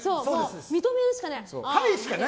認めるしかない。